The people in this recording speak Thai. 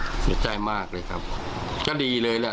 เสียใจมากเลยครับก็ดีเลยแหละ